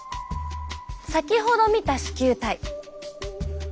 先ほど見た糸球体。